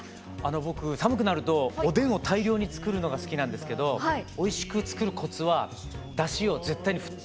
僕寒くなるとおでんを大量に作るのが好きなんですけどおいしく作るコツはだしを絶対に沸騰させないことなんです。